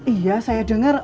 iya saya denger